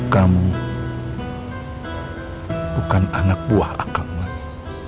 kamu bukan anak buah akang lagi